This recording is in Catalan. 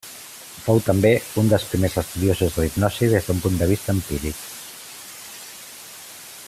Fou també un dels primers estudiosos de la hipnosi des d'un punt de vista empíric.